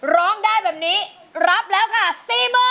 ร้องได้แบบนี้รับแล้วค่ะ๔๐๐๐